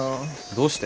どうして？